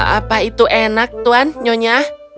apa itu enak tuhan nyonya